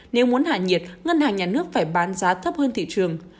nếu muốn hạ nhiệt ngân hàng nhà nước phải bán giá thấp hơn thị trường